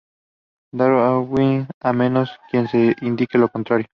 Downing, a menos que se indique lo contrario.